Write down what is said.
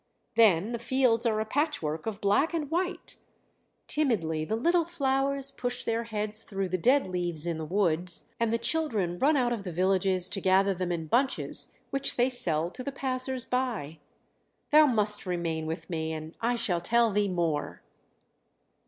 Then the fields are a patchwork of black and white; timidly the little flowers push their heads through the dead leaves in the woods, and the children run out of the villages to gather them in bunches which they sell to the passers by. Thou must remain with me and I shall tell thee more!"